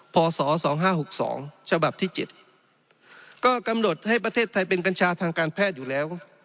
พศ๒๕๖๒ฉบับที่๗ก็กำหนดให้ประเทศไทยเป็นกัญชาทางการแพทย์อยู่แล้ว